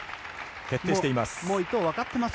徹底しています。